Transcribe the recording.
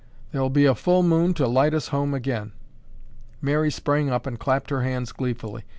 "There'll be a full moon to light us home again." Mary sprang up and clapped her hands gleefully.